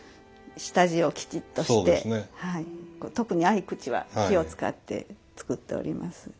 下地をきちっとして特に合口は気を遣って作っております。